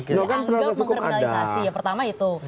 yang pertama itu